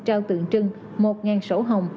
trao tượng trưng một sổ hồng